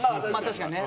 確かにね。